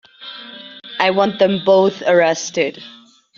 I want them both arrested.